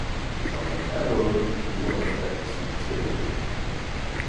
når man er noget, bliver man altid til noget.